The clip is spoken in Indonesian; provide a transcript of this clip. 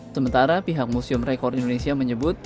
sementara pihak museum rekor indonesia menyebut